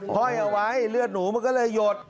ห้อยเอาไว้เลือดหนูมันก็เลยหยด